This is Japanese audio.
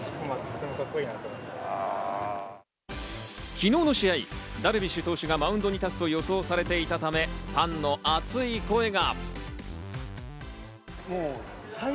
昨日の試合、ダルビッシュ投手がマウンドに立つと予想されていたため、ファンの熱い声が。